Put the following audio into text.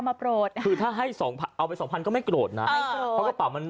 สวัสดีสวัสดีสวัสดีสวัสดีสวัสดีสวัสดีสวัสดี